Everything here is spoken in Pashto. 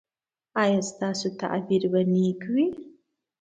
ایا ستاسو تعبیر به نیک وي؟